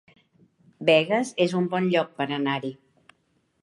Begues es un bon lloc per anar-hi